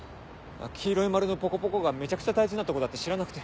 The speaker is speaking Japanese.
黄色い丸のポコポコがめちゃくちゃ大事なとこだって知らなくて。